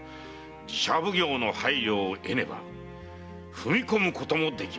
寺社奉行の配慮を得ねば踏み込むこともできませぬ。